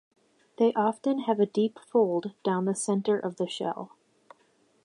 They often have a deep fold down the center of the shell.